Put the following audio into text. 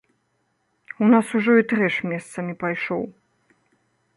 У нас ужо і трэш месцамі пайшоў.